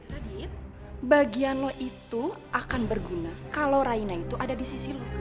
radit bagian lo itu akan berguna kalau raina itu ada di sisi lo